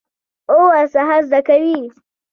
او ورڅخه زده کوو.